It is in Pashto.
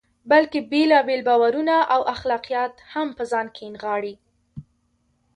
بلکې بېلابېل باورونه او اخلاقیات هم په ځان کې نغاړي.